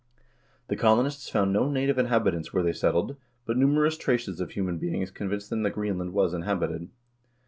2 The colonists found no native inhabitants where they settled, but numerous traces of human beings convinced them that Greenland was inhabited.